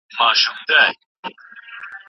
نړيواله سوله د ټولو هيوادونو ګډه موخه ده.